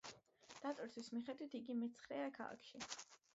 დატვირთვის მიხედვით, იგი მეცხრეა ქალაქში.